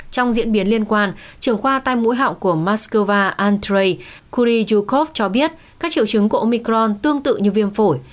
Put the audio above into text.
trong diễn biến liên quan trưởng khoa tai mũi họng của moscow antrey kurijukov cho biết các triệu chứng của omicron tương tự như viêm phổi